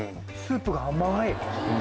スープが甘い。